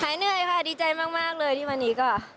เหนื่อยค่ะดีใจมากเลยที่วันนี้ก็